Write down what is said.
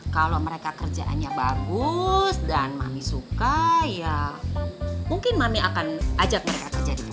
kalau mereka kerjaannya bagus dan mami suka ya mungkin mami akan ajak mereka kerja di sini